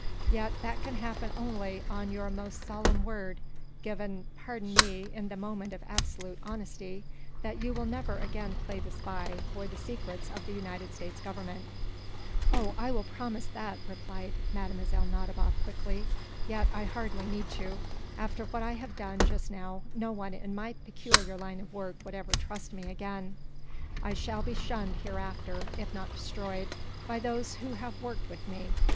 "Yet that can happen only on your most solemn word given, pardon me, in a moment of absolute honesty that you will never again play the spy, for the secrets of the United States Government." "Oh, I will promise that," replied Mlle. Nadiboff, quickly. "Yet I hardly need to. After what I have done, just now, no one in my peculiar line of work would ever trust me again. I shall be shunned, hereafter, if not destroyed, by those who have worked with me."